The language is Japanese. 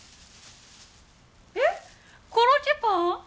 えっコロッケパン？